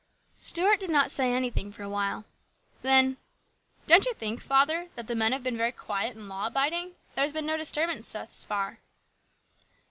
Stuart did not say anything for awhile. Then :" Don't you think, father, that the men have been very quiet and law abiding? There has been no disturbance thus far."